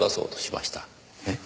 えっ？